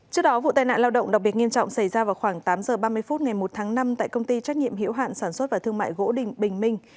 trước đó vụ tai nạn lao động đặc biệt nghiêm trọng xảy ra vào khoảng tám giờ ba mươi phút ngày một tháng năm tại công ty trách nhiệm hiểu hạn sản xuất và thương mại gỗ bình minh